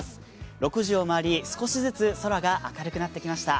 ６時を回り少しずつ空が明るくなってきました。